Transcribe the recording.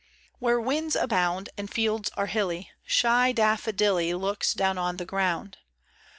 WHERE winds abound, And fields are hilly, Shy daffadilly Looks down on the ground.